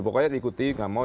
pokoknya diikuti nggak mau